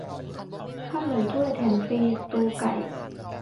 ข้าวหนึ่งถ้วยแถมฟรีสตูว์ไก่